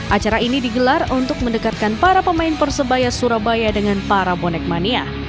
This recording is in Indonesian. acara ini digelar untuk mendekatkan para pemain persebaya surabaya dengan para bonek mania